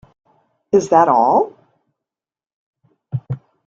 Is That All?